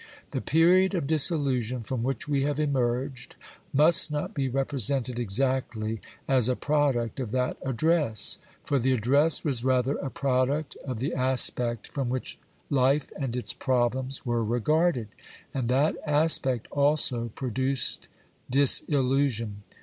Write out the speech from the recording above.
The period of disillusion from which we have emerged must not be represented exactly as a product of that Address, for the Address was rather a product of the aspect from which life and its problems were regarded, and that aspect also produced disillusion.